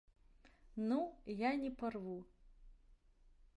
Ну, я не парву!